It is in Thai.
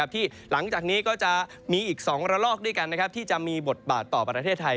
ที่หลังจากนี้ก็จะมีอีก๒ระลอกด้วยกันที่จะมีบทบาทต่อประเทศไทย